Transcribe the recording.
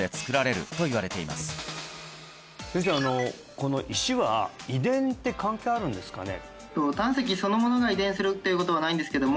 この石は遺伝って関係あるんですかね？